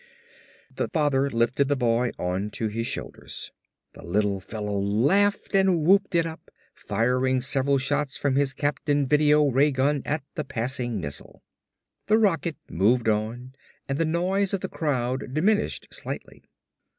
The father lifted the boy onto his shoulders. The little fellow laughed and whooped it up, firing several shots from his Captain Video Ray gun at the passing missile. The rocket moved on and the noise of the crowd diminished slightly.